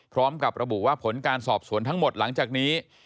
พร้อมกับระบุว่าผลการสอบสวนทั้งหมดหลังจากนี้